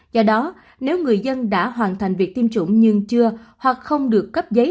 do đó nếu người dân đã hoàn thành việc tiêm chủng nhưng chưa hoặc không được cấp giấy